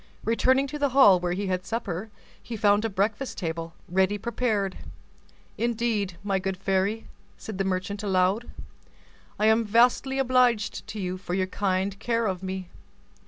Returning to the hall where he had supper, he found a breakfast table, ready prepared. "Indeed, my good fairy," said the merchant aloud, "I am vastly obliged to you for your kind care of me."